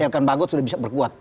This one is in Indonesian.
elkan bagot sudah bisa berkuat